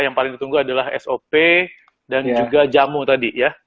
yang paling ditunggu adalah sop dan juga jamu tadi ya